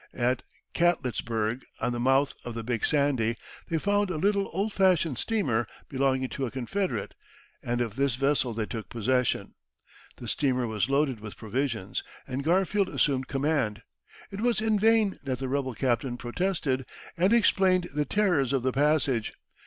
At Catletsburg, on the mouth of the Big Sandy, they found a little old fashioned steamer belonging to a Confederate, and of this vessel they took possession. The steamer was loaded with provisions, and Garfield assumed command. It was in vain that the rebel captain protested, and explained the terrors of the passage.